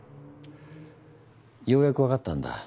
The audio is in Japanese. ようやくわかったんだ